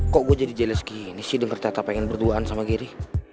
kok gue jadi jealous gini sih denger tata pengen berduaan sama geri